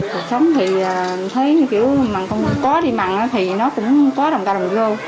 cuộc sống thì thấy như kiểu mà không có đi mặn thì nó cũng có đồng ca đồng vô